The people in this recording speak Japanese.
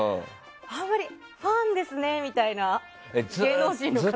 あんまりファンですみたいな芸能人の方は。